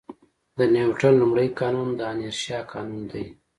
د نیوټن لومړی قانون د انرشیا قانون دی.